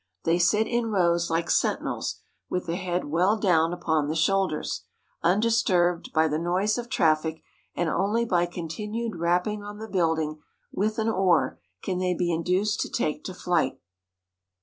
They sit in rows like sentinels with the head well down upon the shoulders, undisturbed by the noise of traffic and only by continued rapping on the building with an oar can they be induced to take to flight.